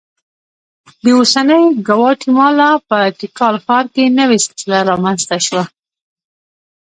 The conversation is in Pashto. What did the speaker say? د اوسنۍ ګواتیمالا په تیکال ښار کې نوې سلسله رامنځته شوه